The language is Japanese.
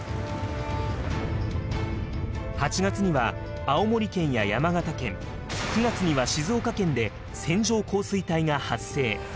８月には青森県や山形県９月には静岡県で線状降水帯が発生。